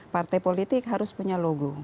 partai politik harus punya logo